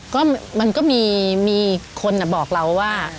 ก็มันก็มีคนบอกเราว่า